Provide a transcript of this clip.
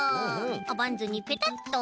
バンズにペタッと。